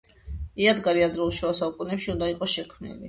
იადგარი ადრეულ შუა საუკუნეებში უნდა იყოს შექმნილი.